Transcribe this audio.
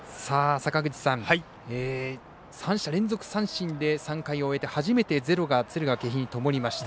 坂口さん、３者連続三振で３回を終えて初めてゼロが敦賀気比ともりました。